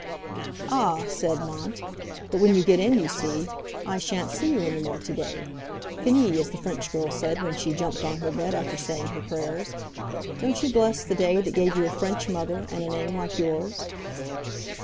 "Ah!" said Mont; "but when you get in, you see, I shan't see you any more to day. Fini, as the French girl said when she jumped on her bed after saying her prayers. Don't you bless the day that gave you a French mother, and a name like yours?"